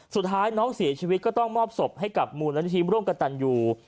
สุดท้ายน้องเสียชีวิตก็ต้องมอบศพให้กับมูลนิธิร่วมกับตันยู